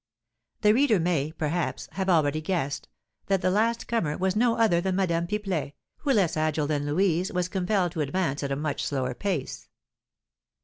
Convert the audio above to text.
The reader may, perhaps, have already guessed that the last comer was no other than Madame Pipelet, who, less agile than Louise, was compelled to advance at a much slower pace.